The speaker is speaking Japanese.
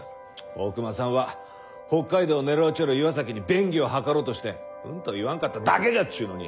大隈さんは北海道を狙うちょる岩崎に便宜を図ろうとしてうんと言わんかっただけじゃっちゅうのに。